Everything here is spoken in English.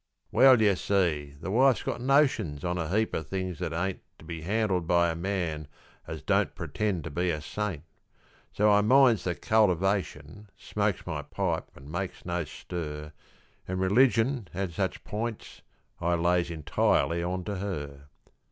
Well, you see, the wife's got notions on a heap o' things that ain't To be handled by a man as don't pretend to be a saint; So I minds "the cultivation," smokes my pipe an' makes no stir, An' religion an' such p'ints I lays entirely on to her.